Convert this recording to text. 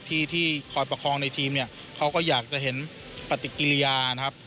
ที่ที่คอยประคองในทีมเนี่ยเขาก็อยากจะเห็นปฏิกิริยานะครับ